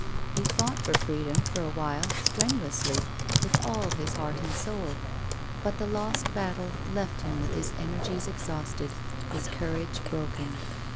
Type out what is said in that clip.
He fought for freedom for a while, strenuously, with all his heart and soul. But the lost battle left him with his energies exhausted, his courage broken.